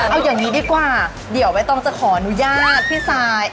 เอาอย่างนี้ดีกว่าเดี๋ยวใบตองจะขออนุญาตพี่ซาย